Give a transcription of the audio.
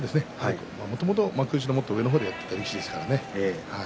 もともと幕内の上の方でやっていた力士ですからね。